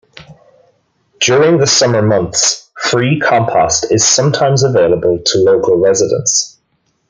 During the summer months free compost is sometimes available to local residents.